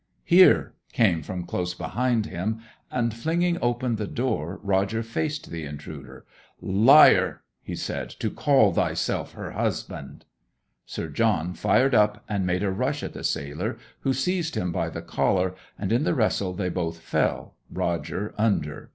'Here!' came from close behind him. And flinging open the door, Roger faced the intruder. 'Liar!' he said, 'to call thyself her husband!' Sir John fired up, and made a rush at the sailor, who seized him by the collar, and in the wrestle they both fell, Roger under.